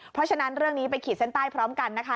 เพราะฉะนั้นเรื่องนี้ไปขีดเส้นใต้พร้อมกันนะคะ